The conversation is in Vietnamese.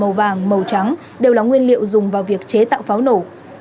màu vàng màu trắng đều là nguyên liệu dùng vào việc chế tạo pháo nổ